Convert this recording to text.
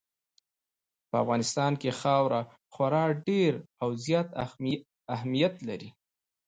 په افغانستان کې خاوره خورا ډېر او زیات اهمیت لري.